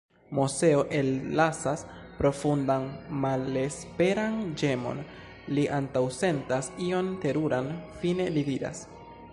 Moseo ellasas profundan malesperan ĝemon; li antaŭsentas ion teruran, fine li diras: